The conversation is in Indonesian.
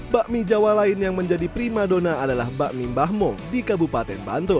bakmi jawa lain yang menjadi prima dona adalah bakmi mbah mong di kabupaten bantul